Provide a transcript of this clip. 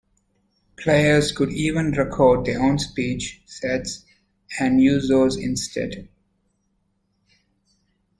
Players could even record their own speech sets and use those instead.